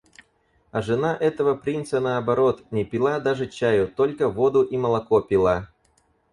А жена этого принца, наоборот, не пила даже чаю, только воду и молоко пила.